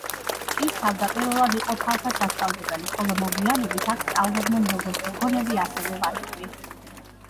ის თავდაპირველად იყო ქალთა სასწავლებელი, ხოლო მოგვიანებით აქ სწავლობდნენ როგორც გოგონები, ასევე ვაჟები.